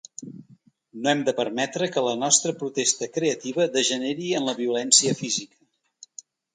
No hem de permetre que la nostra protesta creativa degeneri en la violència física.